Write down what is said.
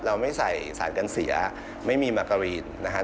เราไม่ใส่สารกันเสียไม่มีมากการีนนะครับ